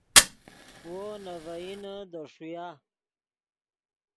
وو نے ڤئینے دے ݰویا